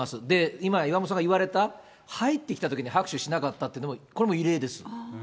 今、岩本さんが言われた入ってきたときに拍手しなかったというのも、これも異例です。